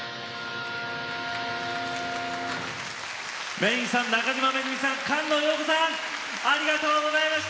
Ｍａｙ’ｎさん中島愛さん菅野よう子さんありがとうございました！